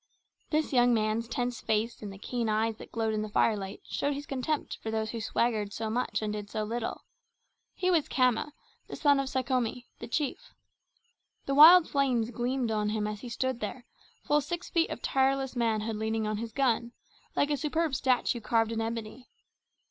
This young man's tense face and the keen eyes that glowed in the firelight showed his contempt for those who swaggered so much and did so little. He was Khama, the son of Sekhome, the chief. The wild flames gleamed on him as he stood there, full six feet of tireless manhood leaning on his gun, like a superb statue carved in ebony.